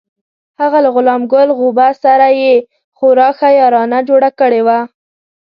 هغه له غلام ګل غوبه سره یې خورا ښه یارانه جوړه کړې وه.